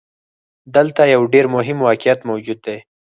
دلته يو ډېر مهم واقعيت موجود دی.